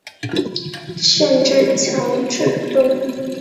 县治乔治敦。